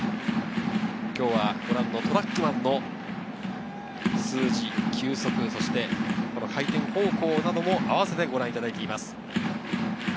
今日はトラックマンの数字、球速、回転方向などもあわせてご覧いただいています。